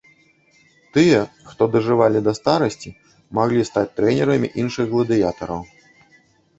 Тыя, хто дажывалі да старасці, маглі стаць трэнерамі іншых гладыятараў.